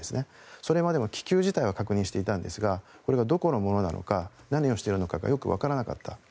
それまでも気球自体は確認していたんですがこれがどこのものなのか何をしているのかがよくわからなかった。